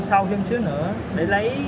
sau chút nữa để lấy